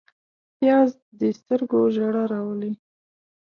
پیاز د سترګو ژړا راولي